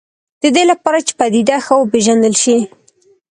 د دې لپاره چې پدیده ښه وپېژندل شي.